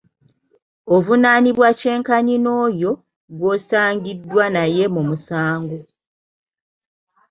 Ovunanibwa kye nkanyi n’oyo gw’osangiddwa naye mu musango.